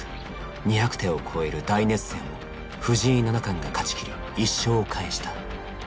２００手を超える大熱戦を藤井七冠が勝ちきり１勝を返した。